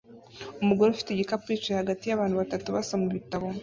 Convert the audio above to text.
Umugore ufite igikapu yicaye hagati yabantu batatu basoma ibitabo